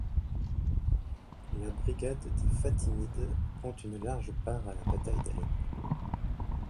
La Brigade des Fatimides prend une large part à la bataille d'Alep.